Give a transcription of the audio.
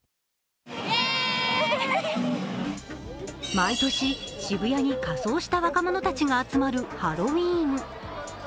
毎年、渋谷に仮装した若者たちが集まるハロウィーン。